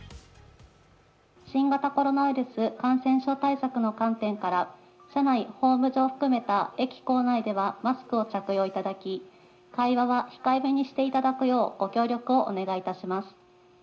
新型コロナウイルス感染者対策の観点から社内・ホーム上含めた駅構内ではマスクを着用いただき会話は控えめにしていただくようご協力をお願いいたします。